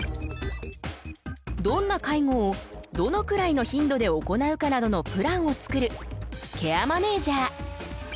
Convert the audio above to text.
どんな介護をどのくらいの頻度で行うかなどのプランを作るケアマネージャー。